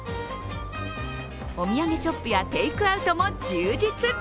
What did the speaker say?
お土産ショップやテイクアウトも充実。